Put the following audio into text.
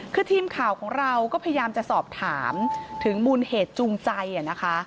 คือทีมข่าวของเราก็พยายามจะสอบถามถึงมูลเหตุจูงใจนะคะ